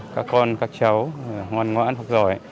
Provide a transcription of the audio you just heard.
các con các cháu hoan ngoãn hoặc giỏi